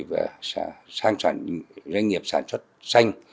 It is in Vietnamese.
doanh nghiệp sản xuất xanh